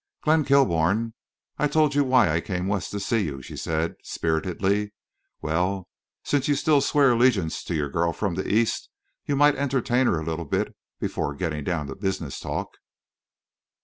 "Glenn Kilbourne, I told you why I came West to see you," she said, spiritedly. "Well, since you still swear allegiance to your girl from the East, you might entertain her a little bit before getting down to business talk."